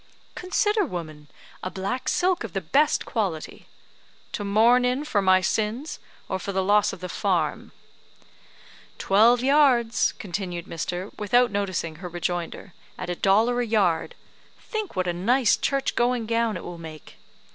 "Consider woman; a black silk of the best quality." "To mourn in for my sins, or for the loss of the farm?" "Twelve yards," continued Mr. , without noticing her rejoinder, "at a dollar a yard. Think what a nice church going gown it will make."